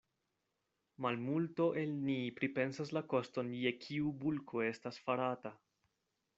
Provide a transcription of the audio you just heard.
Malmulto el ni pripensas la koston je kiu bulko estas farata.